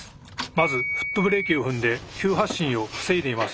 まずフットブレーキを踏んで急発進を防いでいます。